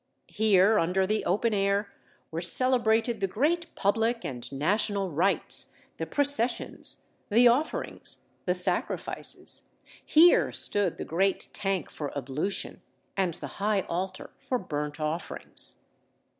Here, under the open air, were celebrated the great public and national rites, the processions, the offerings, the sacrifices; here stood the great tank for ablution, and the high altar for burnt offerings.